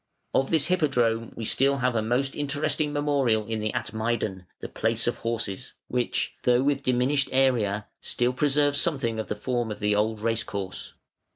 Of this Hippodrome we have still a most interesting memorial in the Atmeidan (the Place of Horses), which, though with diminished area, still preserves something of the form of the old racecourse.